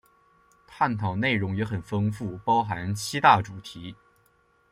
探讨内容也很丰富，包含七大主题